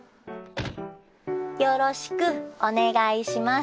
よろしくお願いします。